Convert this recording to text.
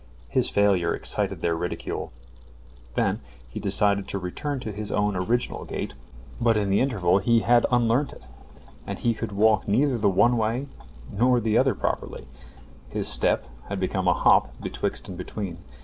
His failure excited their ridicule. Then he decided to return to his own original gait, but in the interval he had unlearnt it, and he could walk neither the one way nor the other properly. His step had become a hop betwixt and between.